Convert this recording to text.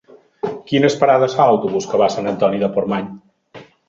Quines parades fa l'autobús que va a Sant Antoni de Portmany?